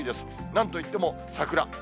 なんといっても桜。